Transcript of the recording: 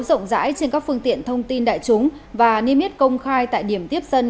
rộng rãi trên các phương tiện thông tin đại chúng và niêm yết công khai tại điểm tiếp dân